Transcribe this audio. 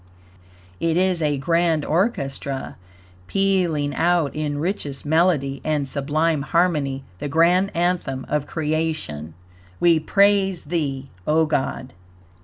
It is a grand orchestra, pealing out in richest melody and sublime HARMONY, the grand Anthem of Creation: "We Praise Thee, O God."